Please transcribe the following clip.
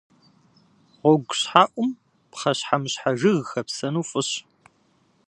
Гъуэгущхьэӏум пхъэщхьэмыщхьэ жыг хэпсэну фӏыщ.